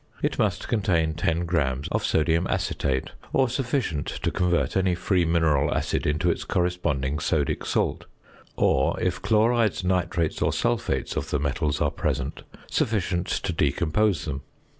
It must contain 10 grams of sodium acetate, or sufficient to convert any free mineral acid into its corresponding sodic salt; or, if chlorides, nitrates or sulphates of the metals are present, sufficient to decompose them.